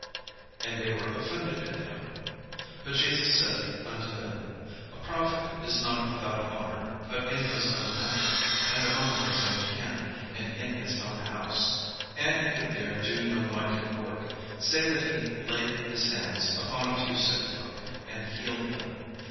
And they were offended at him. But Jesus said unto them: "A prophet is not without honour, but in his own country, and among his own kin, and in his own house." And he could there do no mighty work, save that he laid his hands upon a few sick folk, and healed them.